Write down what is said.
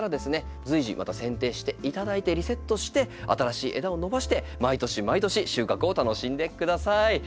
随時また剪定していただいてリセットして新しい枝を伸ばして毎年毎年収穫を楽しんでください。